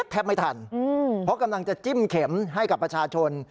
แทบไม่ทันเพราะกำลังจะจิ้มเข็มให้กับประชาชน